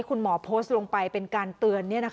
คุณหมอโพสต์ลงไปเป็นการเตือน